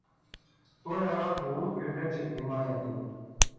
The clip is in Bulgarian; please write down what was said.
Тоя разговор привлече вниманието му.